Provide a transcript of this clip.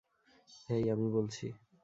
হেই, আমি বলছি।